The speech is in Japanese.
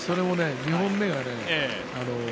２本目がね。